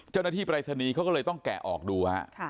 เจ้าหน้าที่ปรายศนีย์เขาก็เลยต้องแกะออกดู